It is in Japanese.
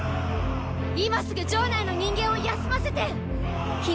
今すぐ城内の人間を休ませてっ！